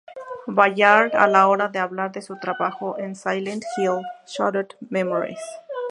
Ballard a la hora de hablar de su trabajo en Silent Hill: Shattered Memories.